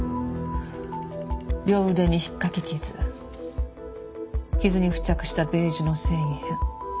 「両腕にひっかき傷」「傷に付着したベージュの繊維片」